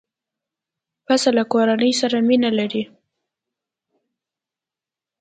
پسه له کورنۍ سره مینه لري.